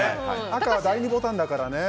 赤、第２ボタンだからね。